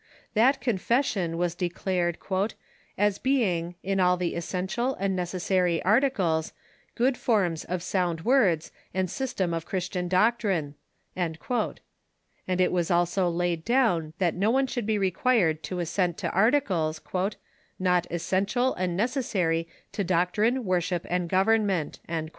That confession was declared "as being, in all the essential and necessary articles, good forms of sound words and system of Christian doctrine ;" and it was also laid down that no one should be required to assent to articles " not es sential and necessai'y to doctrine, worship, and government."